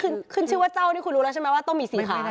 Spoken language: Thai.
คือขึ้นชื่อว่าเจ้านี่คุณรู้แล้วใช่ไหมว่าต้องมีสีขาว